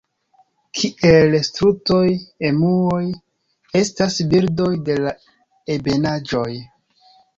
Kiel strutoj, emuoj estas birdoj de la ebenaĵoj.